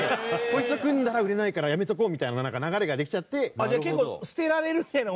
こいつと組んだら売れないからやめておこうみたいななんか流れができちゃって。